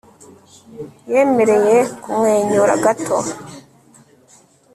Yemereye kumwenyura gato